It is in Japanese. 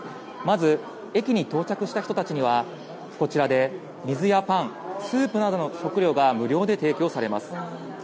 まず、駅に到着した人たちにはこちらで水やパン、スープなどの食料が無料で提供されます。